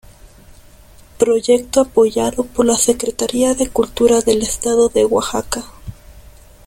Proyecto apoyado por la Secretaría de Cultura del estado de Oaxaca.